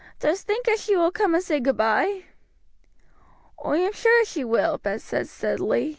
Dost think as she will come and say goodby?" "Oi am sure as she will," Bill said steadily.